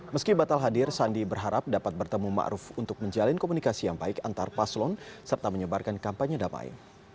meski batal hadir sandi berharap dapat bertemu ⁇ maruf ⁇ untuk menjalin komunikasi yang baik antar paslon serta menyebarkan kampanye damai